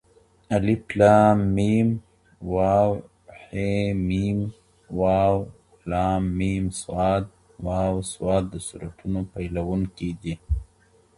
ألم، وحم، وألمص، وص... د سورتونو پيلوونکي دي.